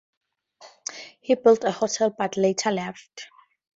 He built a hotel, but later left.